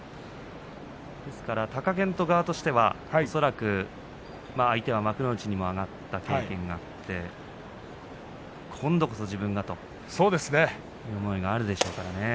貴健斗側からしたら恐らく相手は幕内にも上がった経験があって今度こそ自分がという思いがあるでしょうからね。